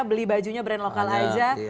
beli bajunya brand lokal aja